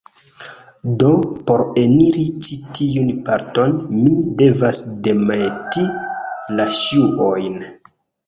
Do, por eniri ĉi tiun parton, mi devas demeti la ŝuojn